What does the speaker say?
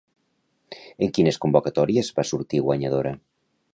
En quines convocatòries va sortir guanyadora?